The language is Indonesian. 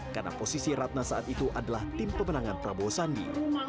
karena posisi ratna saat itu adalah tim pemenangan prabowo sandi